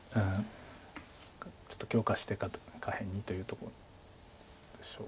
ちょっと強化してから下辺にというところなんでしょうか。